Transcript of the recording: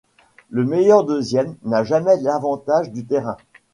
Le meilleur deuxième n'a jamais l'avantage du terrain.